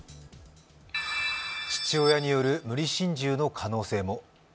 父親による無理心中の可能性も。